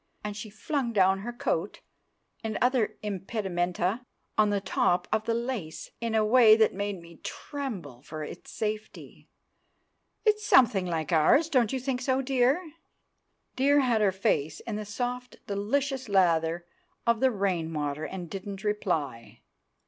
And she flung down her coat and other impedimenta on the top of the lace in a way that made me tremble for its safety. "It's something like ours—don't you think so, dear?" Dear had her face in the soft delicious lather of the rainwater, and didn't reply.